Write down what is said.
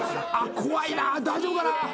怖いな大丈夫かな。